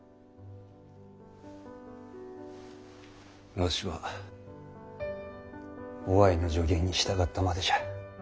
わしは於愛の助言に従ったまでじゃ。